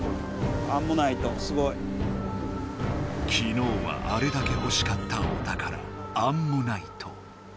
きのうはあれだけほしかったお宝アンモナイト。